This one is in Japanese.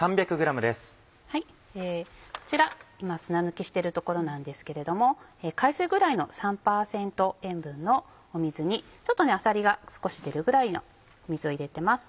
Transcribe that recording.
こちら今砂抜きしてるところなんですけれども海水ぐらいの３％塩分の水にあさりが少し出るぐらいの水を入れてます。